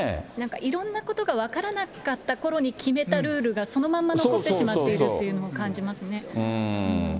いろんなことが分からなかったころに決めたルールが、そのまま残ってしまっているというのも感じますね。